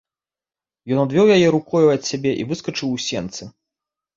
Ён адвёў яе рукою ад сябе і выскачыў у сенцы.